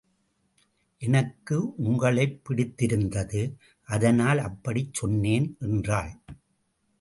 எனக்கு உங்களைப் பிடித்திருந்தது அதனால் அப்படிச் சொன்னேன் என்றாள்.